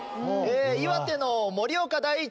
岩手の盛岡第一。